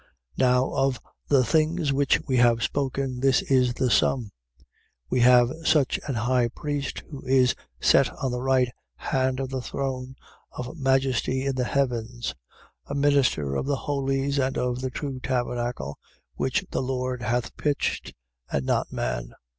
8:1. Now of the things which we have spoken, this is the sum: We have such an high priest who is set on the right hand of the throne of majesty in the heavens, 8:2. A minister of the holies and of the true tabernacle, which the Lord hath pitched, and not man.